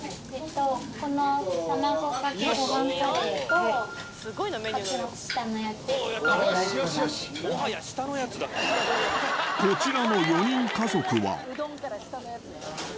この卵かけごはんカレーと、こちらの４人家族は。